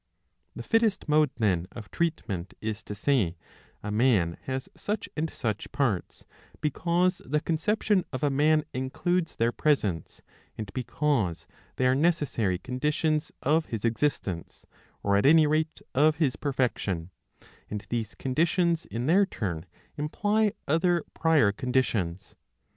The fittest mode, then, of treatment is to say, a man has such and such parts, because the conception of a man includes their presence, and because they are necessary conditions of his exist ence, or at any rate of his perfection ; and these conditions in their turn imply other prior conditions.